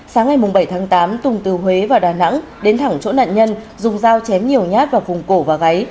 sáng ngày bảy tháng tám tùng từ huế vào đà nẵng đến thẳng chỗ nạn nhân dùng dao chém nhiều nhát vào vùng cổ và gáy